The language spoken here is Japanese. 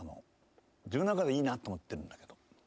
自分の中でいいなと思ってるんだけど。